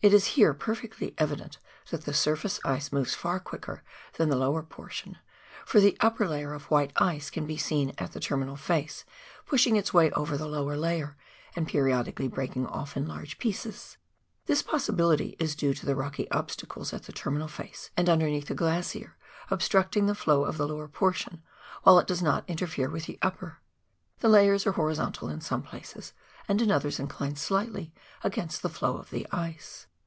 It is here perfectly evident that the surface ice moves far quicker than the lower portion, for the upper layer of white ice can be seen at the terminal face pushing its way over the lower layer, and periodically breaking off in large pieces. This possibly is due to the rocky obstacles at the terminal face and underneath the glacier obstructing the flow of the lower portion while it does not interfere with the upper. The layers are horizontal in some places, and in others incline slightly against the flow of the ice.